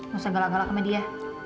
gak usah galak galak sama dia